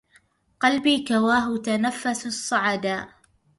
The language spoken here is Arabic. قلبي كواه تنفس الصعدا